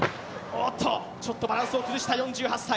ちょっとバランスを崩した４８歳。